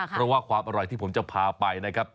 เพราะว่าความอร่อยที่ผมจะพาไปนะครับ